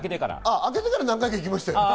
明けてからは何回か行きましたよ。